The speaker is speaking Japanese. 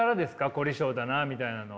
凝り性だなみたいなのは。